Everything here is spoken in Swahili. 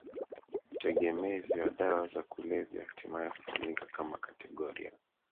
utegemezi wa dawa za kulevya hatimaye hutumika kama kategoria